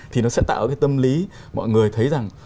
thì nó sẽ tạo cái tâm lý mọi người thấy rằng